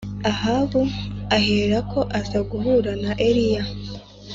Ahabu aherako aza guhura na Eliya